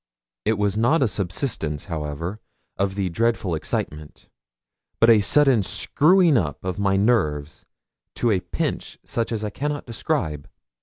It was not a subsidence, however, of the dreadful excitement, but a sudden screwing up of my nerves to a pitch such as I cannot describe.